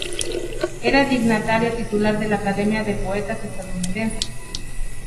Era dignatario titular de la Academia de Poetas Estadounidenses.